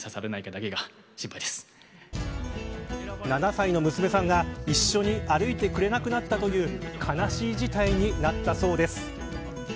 ７歳の娘さんが一緒に歩いてくれなくなったという悲しい事態になったそうです。